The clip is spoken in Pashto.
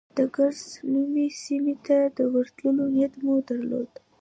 د کرز نومي سیمې ته د ورتلو نیت مو درلود.